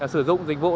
sử dụng dịch vụ